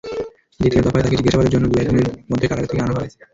দ্বিতীয় দফায় তাঁকে জিজ্ঞাসাবাদের জন্য দু-এক দিনের মধ্যে কারাগার থেকে আনা হবে।